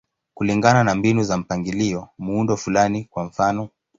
Kulingana na mbinu za mpangilio, muundo fulani, kwa mfano.